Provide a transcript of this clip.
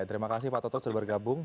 terima kasih pak toto sudah bergabung